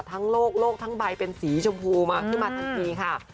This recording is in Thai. โลกโลกทั้งใบเป็นสีชมพูมาขึ้นมาทันทีค่ะ